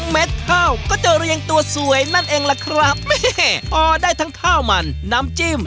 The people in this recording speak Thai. ข้าวก็จะเรียงตัวสวยนั่นเองล่ะครับแม่พอได้ทั้งข้าวมันน้ำจิ้ม